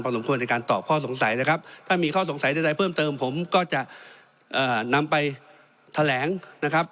สมควรในการตอบข้อสงสัยนะครับถ้ามีข้อสงสัยใดเพิ่มเติมผมก็จะนำไปแถลงนะครับ